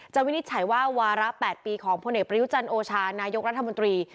จังวินิจฉัยว่าวาระแปดปีของพระเนตรประยุจรรย์โอชานายกรัฐมนตรี